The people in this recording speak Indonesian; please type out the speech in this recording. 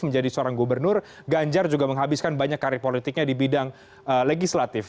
menjadi seorang gubernur ganjar juga menghabiskan banyak karir politiknya di bidang legislatif